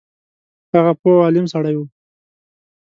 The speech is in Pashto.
هغه پوه او عالم سړی وو.